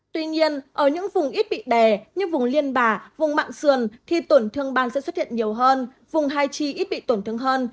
tuy nhiên ở những vùng ít bị đè như vùng liên bà vùng mạng sườn thì tổn thương ban sẽ xuất hiện nhiều hơn vùng hai chi ít bị tổn thương hơn